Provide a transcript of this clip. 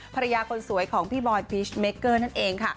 ภรรยาคนสวยของพี่บอยพีชเมเกอร์นั่นเองค่ะ